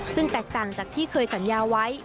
ซึ่งแตกต่างจากที่เคยสัญญาไว้